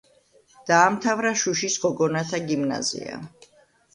დაამთავრა შუშის გოგონათა გიმნაზია.